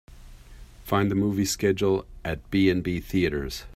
Find the movie schedule at B&B Theatres.